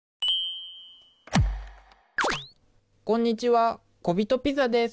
こんにちは小人ピザです。